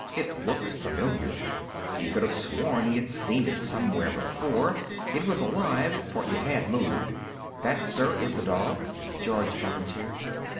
It looked familiar. He could have sworn he had seen it somewhere before. It was alive, for it had moved. "That, sir, is the dog," George volunteered.